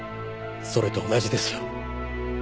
それと同じですよ。